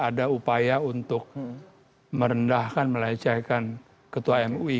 tidak ada upaya untuk merendahkan melecahkan ketua mui